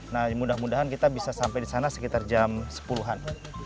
nah mudah mudahan kita bisa sampai di sana sekitar jam sepuluh an